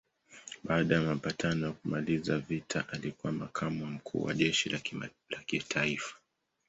Baada ya mapatano ya kumaliza vita alikuwa makamu wa mkuu wa jeshi la kitaifa.